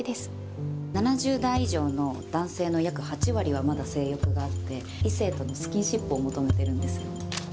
７０代以上の男性の約８割はまだ性欲があって、異性とのスキンシップを求めてるんですよ。